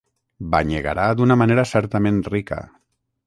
Banyegarà d'una manera certament rica.